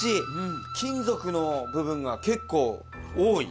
金属の部分が結構多い。